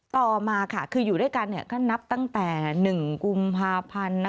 ต่อมาค่ะคืออยู่ด้วยกันเนี่ยก็นับตั้งแต่๑กุมภาพันธุ์นะ